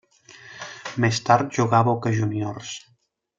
Més tard jugà a Boca Juniors.